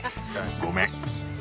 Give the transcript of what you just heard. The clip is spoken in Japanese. ごめん。